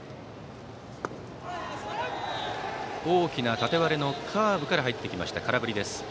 大きな縦割れのカーブから入ってきて、空振りです。